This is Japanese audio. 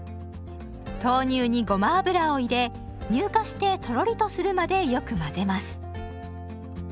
豆乳にごま油を入れ乳化してとろりとするまでよく混ぜます。